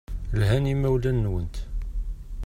Lhan yimawlan-nwent.